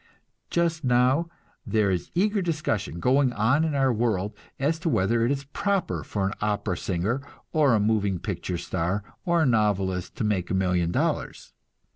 Just now there is eager discussion going on in our world as to whether it is proper for an opera singer, or a moving picture star, or a novelist, to make a million dollars.